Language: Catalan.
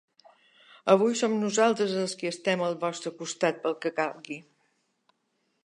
Avui som nosaltres els qui estem al vostre costat pel que calgui.